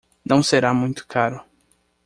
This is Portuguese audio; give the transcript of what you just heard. Não será muito caro.